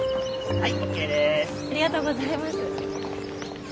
はい。